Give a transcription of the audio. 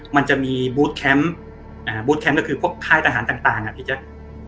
มันจะมีบูธแค้มก็คือค่ายทหารต่างนะพี่แจ๊ค